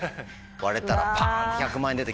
割れたらパンって１００万円出て来ます。